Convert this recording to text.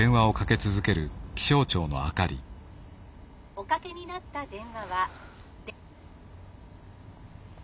「おかけになった電話は」。